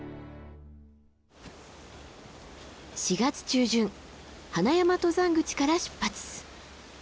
４月中旬花山登山口から出発。